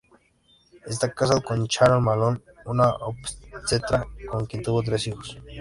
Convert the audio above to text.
Está casado con Sharon Malone, una obstetra, con quien tuvo tres hijos.